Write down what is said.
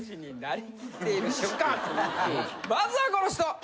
まずはこの人！